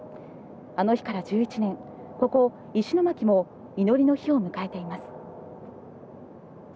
あの日から１１年、ここ石巻も祈りの日を迎えています。